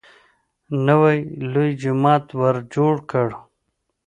نوی لوی جومات ورجوړ کړ.